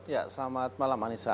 ya selamat malam anissa